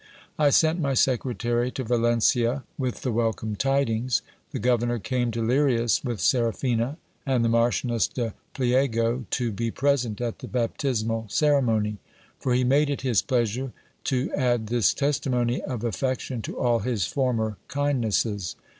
I sent my secretary to Valencia with the welcome tidings : the governor came to Lirias with Seraphina and the Mar chioness de Pliego, to be present at the baptismal ceremony ; for he made it his pleasure to add this testimony of affection to all his former kindnesses.